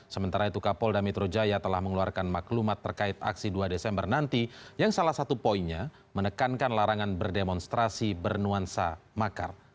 sementara itu kapolda metro jaya telah mengeluarkan maklumat terkait aksi dua desember nanti yang salah satu poinnya menekankan larangan berdemonstrasi bernuansa makar